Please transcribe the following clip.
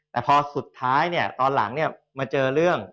แต่พอสุดท้ายเนี่ยตอนหลังเนี่ยมาเจอเรื่อง